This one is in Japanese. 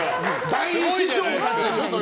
大師匠たちでしょ！